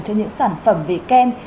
cho những sản phẩm về kem